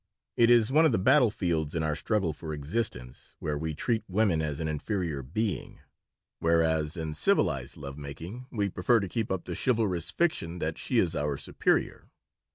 It is one of the battle fields in our struggle for existence, where we treat woman as an inferior being, whereas in civilized love making we prefer to keep up the chivalrous fiction that she is our superior.